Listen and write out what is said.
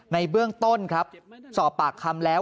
ในเบื้องต้นครับสอบปากคำแล้ว